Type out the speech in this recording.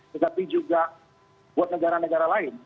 tetapi juga buat negara negara lain